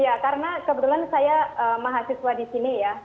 iya karena kebetulan saya mahasiswa disini ya